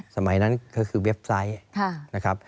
สมัยนั้นก็คือเว็บไซต์นะครับ